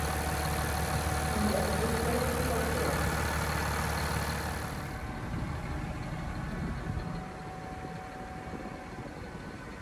Ils étaient prédateurs.